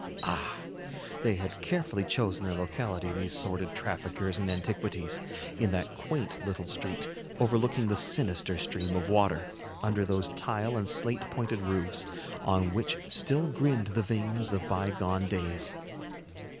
Ah! they had carefully chosen their locality, these sordid traffickers in antiquities, in that quaint little street, overlooking the sinister stream of water, under those tile and slate pointed roofs on which still grinned the vanes of bygone days.